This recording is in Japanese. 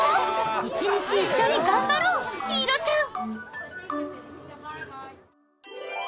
一日一緒に頑張ろう陽彩ちゃん！